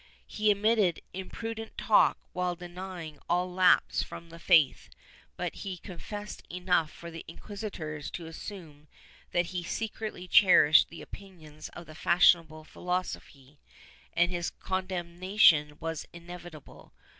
He admitted imprudent talk, while denying all lapse from the faith, but he con fessed enough for the inquisitors to assume that he secretly cherished the opinions of the fashionable philosophy, and his condemnation was inevitable.